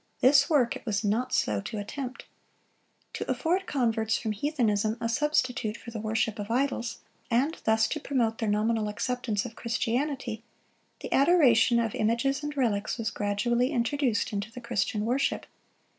(74) This work it was not slow to attempt. To afford converts from heathenism a substitute for the worship of idols, and thus to promote their nominal acceptance of Christianity, the adoration of images and relics was gradually introduced into the Christian worship.